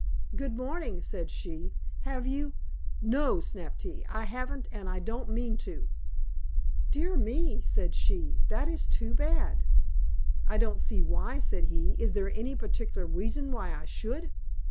"Good morning," said she. "Have you " "No," snapped he. "I haven't, and I don't mean to!" "Dear me," said she. "That is too bad." "I don't see why," said he. "Is there any particular reason why I should?"